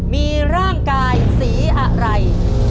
มีร่างกายสีอะไร